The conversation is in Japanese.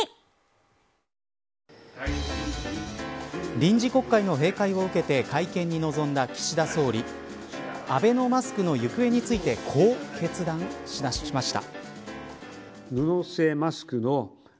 臨時国会の閉会を受けて会見に臨んだ岸田総理アベノマスクの行方についてこう決断しました。